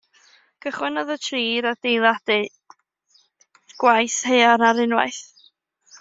Cychwynnodd y tri i adeiladu'r gwaith haearn ar unwaith.